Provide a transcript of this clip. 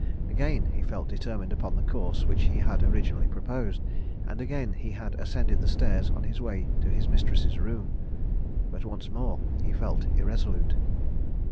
Again he felt determined upon the course which he had originally proposed, and again he had ascended the stairs on his way to his mistress's room, but once more he felt irresolute.